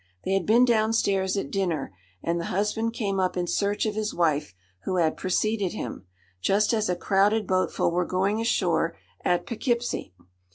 They had been down stairs at dinner, and the husband came up in search of his wife, who had preceded him, just as a crowded boatful were going ashore at Poughkeepsie.